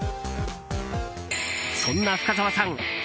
そんな深澤さん